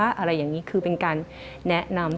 อะไรอย่างนี้คือเป็นการแนะนำ